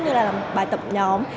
như là làm bài tập nhóm